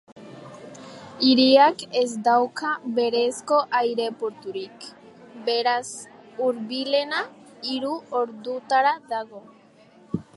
Hiriak ez dauka berezko aireporturik, beraz, hurbilena hiru ordutara dago.